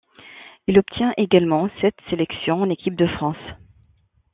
Il obtient également sept sélections en équipe de France.